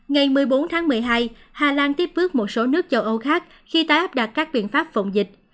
ngày một mươi bốn tháng một mươi hai hà lan tiếp bước một số nước châu âu khác khi tái áp đặt các biện pháp phòng dịch